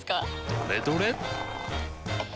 どれどれっ！